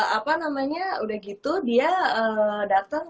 apa namanya udah gitu dia dateng